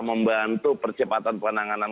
membantu percepatan penanganan